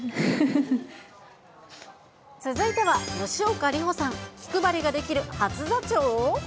続いては、吉岡里帆さん、気配りができる初座長？